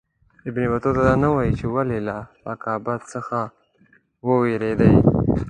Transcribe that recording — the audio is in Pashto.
ابن بطوطه دا نه وايي چې ولي له عاقبت څخه ووېرېدی.